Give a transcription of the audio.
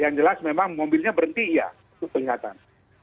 yang jelas memang mobilnya berhenti iya itu kelihatan